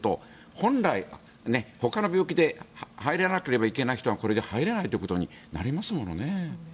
本来、ほかの病気で入らなければいけない人がこれでは入れないということになりますものね。